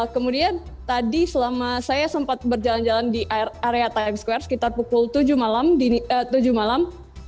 kemudian tadi selama saya sempat berjalan jalan di area times square sekitar pukul tujuh malam